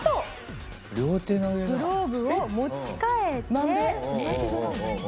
グローブを持ち替えて。